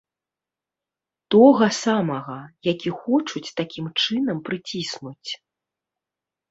Тога самага, які хочуць такім чынам прыціснуць.